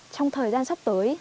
trong thời gian sắp tới